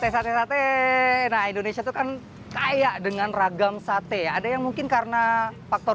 sate sate indonesia tuh kan kaya dengan ragam sate ada yang mungkin karena faktor